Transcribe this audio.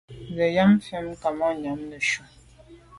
Nsa yàm mfe kamànyam neshu.